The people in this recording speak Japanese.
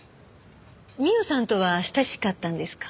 美緒さんとは親しかったんですか？